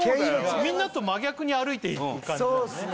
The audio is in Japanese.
みんなと真逆に歩いていく感じそうっすね